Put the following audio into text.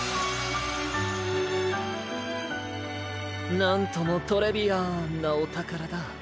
なんともトレビアンなおたからだ。